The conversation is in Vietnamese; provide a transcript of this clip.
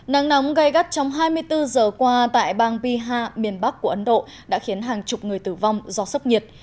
nắng nóng gây gắt trong hai mươi bốn giờ qua tại bang piha miền bắc của ấn độ đã khiến hàng chục người tử vong do sốc nhiệt